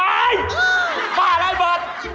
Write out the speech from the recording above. บ้าอะไรบอล